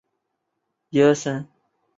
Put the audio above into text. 腾越紫菀为菊科紫菀属下的一个种。